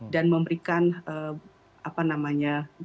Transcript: dan memberikan apa namanya